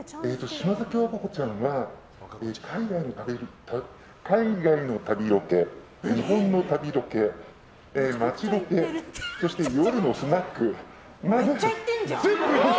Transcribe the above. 島崎和歌子ちゃんは海外の旅ロケ、日本の旅ロケ街ロケ、そして夜のスナック。